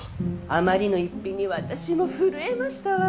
あまりの逸品に私も震えましたわ。